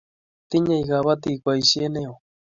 tinyei kabotik boisie neoo